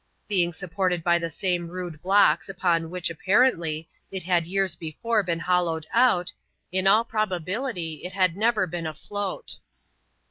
Being supported by the same rude blocks upon which, apparently, it had years before been hollowed out, in all probability it had never been afloat.